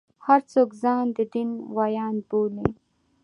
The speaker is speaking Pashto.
هر څوک ځان د دین ویاند بولي.